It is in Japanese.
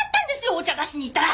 お茶出しに行ったら！